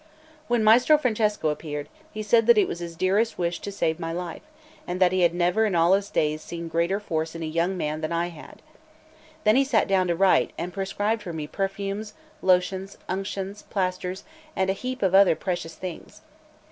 When Maestro Francesco appeared, he said it was his dearest wish to save my life, and that he had never in all his days seen greater force in a young man than I had. Then he sat down to write, and prescribed for me perfumes, lotions, unctions, plasters, and a heap of other precious things.